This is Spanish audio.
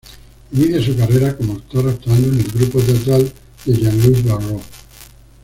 Inicia su carrera como actor actuando en el grupo teatral de Jean Louis Barrault.